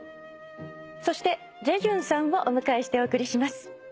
そしてジェジュンさんをお迎えしてお送りします。